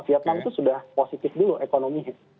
vietnam itu sudah positif dulu ekonominya